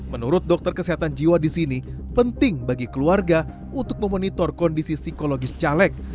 menurut dokter kesehatan jiwa disini penting bagi keluarga untuk memonitor kondisi psikologis caleg